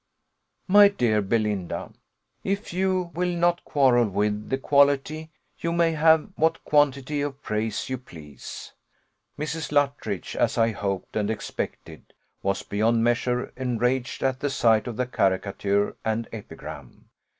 My dear Belinda, if you will not quarrel with the quality, you may have what quantity of praise you please. Mrs. Luttridge, as I hoped and expected, was beyond measure enraged at the sight of the caricature and epigram.